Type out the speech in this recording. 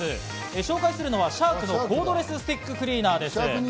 紹介するのはシャークのコードレススティッククリーナーです。